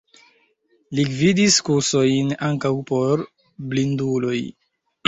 Li gvidis kursojn, ankaŭ por blinduloj.